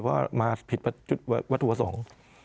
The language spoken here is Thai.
เพราะว่ามาผิดวัตถุวสงฆ์